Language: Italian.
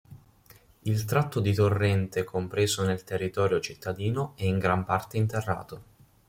Il tratto di torrente compreso nel territorio cittadino è in gran parte interrato.